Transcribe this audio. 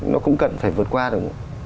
nó cũng cần phải vượt qua được